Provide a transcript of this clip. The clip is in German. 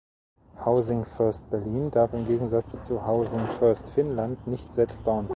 Housing First Berlin darf im Gegensatz zu Housing First Finnland nicht selbst bauen.